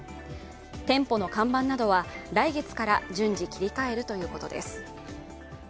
店舗の看板などは来月から順次切り替えるということです。